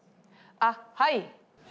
あっはい。